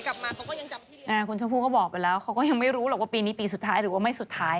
กลับมาเขาก็ยังจับคุณชมพู่ก็บอกไปแล้วเขาก็ยังไม่รู้หรอกว่าปีนี้ปีสุดท้ายหรือว่าไม่สุดท้าย